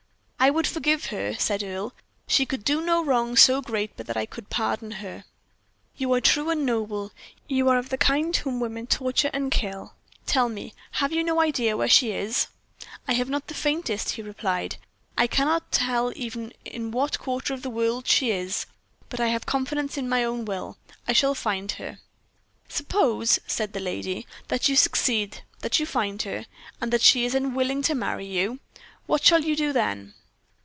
"I would forgive her," said Earle. "She could do no wrong so great but that I could pardon her." "You are true and noble; you are of the kind whom women torture and kill. Tell me, have you no idea where she is?" "I have not the faintest," he replied, "I cannot tell even in what quarter of the world she is; but I have confidence in my own will I shall find her." "Suppose," said the lady, "that you succeed, that you find her, and that she is unwilling to marry you what shall you do then?"